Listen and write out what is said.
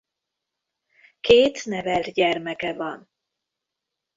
Két nevelt gyermeke van.